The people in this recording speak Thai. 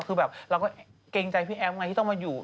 คือแบบเราก็เกรงใจพี่แอฟไงที่ต้องมาอยู่